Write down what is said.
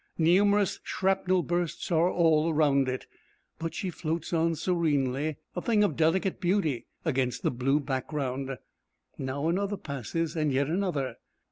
Numerous shrapnel bursts are all round it, but she floats on serenely, a thing of delicate beauty against the blue background. Now another passes and yet another.